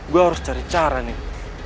gue harus cari cara nih